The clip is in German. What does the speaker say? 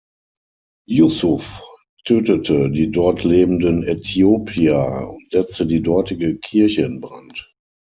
Yusuf tötete die dort lebenden Äthiopier und setzte die dortige Kirche in Brand.